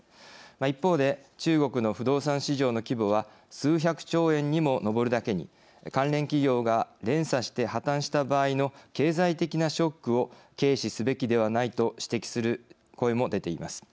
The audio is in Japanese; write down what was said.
一方で、中国の不動産市場の規模は数百兆円にも上るだけに関連企業が連鎖して破綻した場合の経済的なショックを軽視すべきではないと指摘する声も出ています。